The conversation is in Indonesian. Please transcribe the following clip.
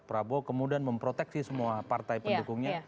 prabowo kemudian memproteksi semua partai pendukungnya